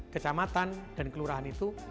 kecamatan dan kelurahan itu